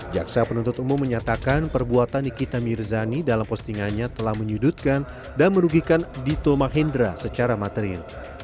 jaksa penuntut umum menyatakan perbuatan nikita mirzani dalam postingannya telah menyudutkan dan merugikan dito mahendra secara material